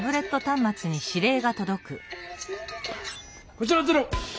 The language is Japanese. こちらゼロ！